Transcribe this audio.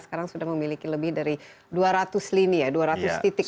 sekarang sudah memiliki lebih dari dua ratus lini ya dua ratus titik